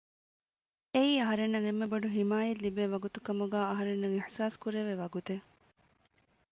އެއީ އަހަރެންނަށް އެންމެ ބޮޑު ޙިމާޔަތް ލިބޭ ވަގުތު ކަމުގައި އަހަރެންނަށް އިޙްސާސް ކުރެވޭ ވަގުތެއް